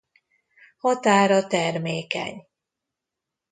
Határa termékeny.